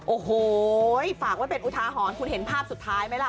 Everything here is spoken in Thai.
โอ้โหฝากไว้เป็นอุทาหรณ์คุณเห็นภาพสุดท้ายไหมล่ะ